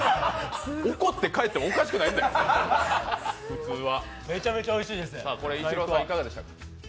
怒って帰ったっておかしくないって、普通は。